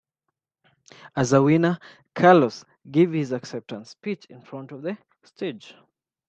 As a winner, Carlos give his acceptance speech in front of the stage.